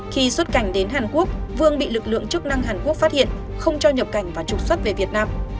khi xuất cảnh đến hàn quốc vương bị lực lượng chức năng hàn quốc phát hiện không cho nhập cảnh và trục xuất về việt nam